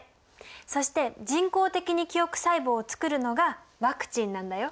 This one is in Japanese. そして人工的に記憶細胞をつくるのがワクチンなんだよ。